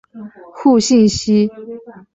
互信息是的期望值。